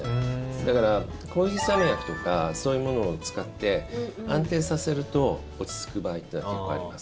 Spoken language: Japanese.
だから、抗ヒスタミン薬とかそういうものを使って安定させると落ち着く場合が結構あります。